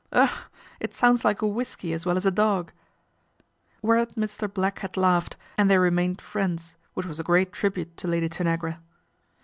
Ugh I it sounds like a whisky as well as a dog." Where at Mr Black had laughed and they remained I friends, which was a great tribute to Lady Tan agra.